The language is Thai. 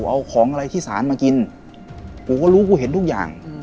เอาของอะไรที่สารมากินปูก็รู้กูเห็นทุกอย่าง